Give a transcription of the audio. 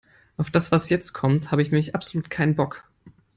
Auf das, was jetzt kommt, habe ich nämlich absolut keinen Bock.